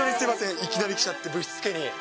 いきなり来ちゃって、ぶしつけに。